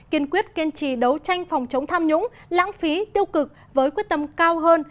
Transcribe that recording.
kiên quyết kiên trì đấu tranh phòng chống tham nhũng lãng phí tiêu cực với quyết tâm cao hơn